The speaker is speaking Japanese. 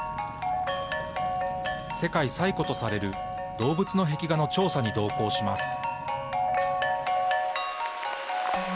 世界最古とされる動物の壁画の調査に同行します。